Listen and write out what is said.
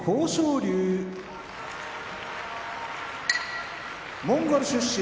龍モンゴル出身